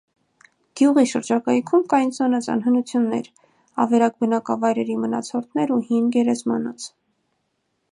Գյուղի շրջակայքում կային զանազան հնություններ՝ ավերակ բնակավայրի մնացորդներ և հին գերեզամանոց։